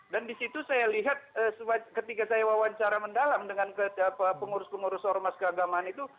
dan disitu saya lihat ketika saya wawancara mendalam dengan pengurus pengurus ormas keagamaan itu